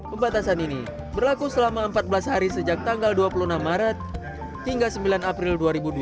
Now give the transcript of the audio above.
pembatasan ini berlaku selama empat belas hari sejak tanggal dua puluh enam maret hingga sembilan april dua ribu dua puluh